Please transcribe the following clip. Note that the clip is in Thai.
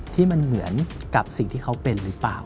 ที่มันเหมือนกับสิ่งที่เขาเป็นหรือเปล่า